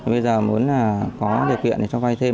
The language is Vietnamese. bây giờ muốn là có điều kiện để cho vay thêm